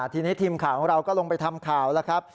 ทีนี้ทีมข่าวของเราก็ลงไปทำข่าวแล้วครับ